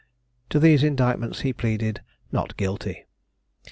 To these indictments he pleaded Not guilty.